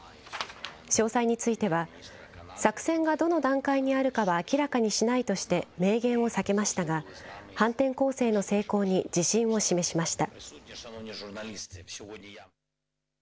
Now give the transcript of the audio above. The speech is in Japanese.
詳細については、作戦がどの段階にあるかは明らかにしないとして明言を避けましたが、反転攻勢の成功に自信を示しました。